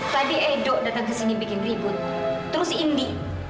tadi edo datang kesini bikin ribut terus indi